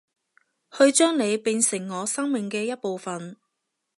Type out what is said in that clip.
去將你變成我生命嘅一部份